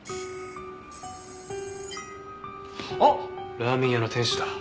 ラーメン屋の店主だ。